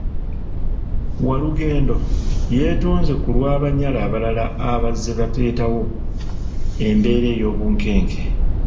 Walugendo yeetonze ku lw’Abanyala abalala abazze baleetawo embeera ey’obunkenke.